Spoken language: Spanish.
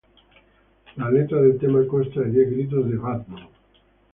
La letra del tema consta de diez gritos de "Batman!